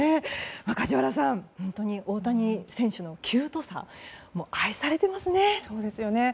梶原さん、大谷選手のキュートさ愛されていますね。